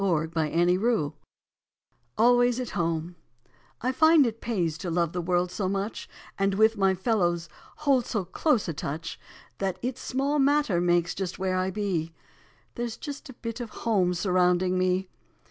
April Eleventh ALWAYS AT HOME T FIND it pays to love the world so much, And with my fellows hold so close a touch, That it small matter makes just where I be, There s just a bit of HOME surrounding me.